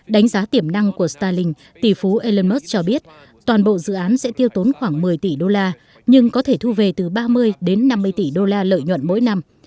đánh giá tiềm năng của starlink tỷ phú elon musk cho biết toàn bộ dự án sẽ tiêu tốn khoảng một mươi tỷ đô la nhưng có thể thu về từ ba mươi đến năm mươi tỷ đô la lợi nhuận mỗi năm